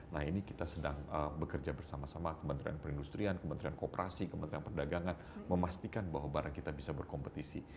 nah ini kita sedang bekerja bersama sama kementerian perindustrian kementerian kooperasi kementerian perdagangan memastikan bahwa barang kita bisa berkompetisi